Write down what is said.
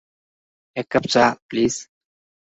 এক কাপ চা, প্লিজ।